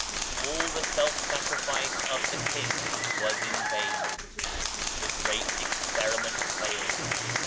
All the self sacrifice of the King was in vain. The great experiment failed.